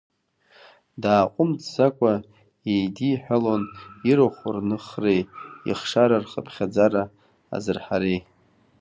Дааҟәымҵӡакәа еидиҳәалон, ирахә рныхреи ихшара рхыԥхьаӡара азырҳареи.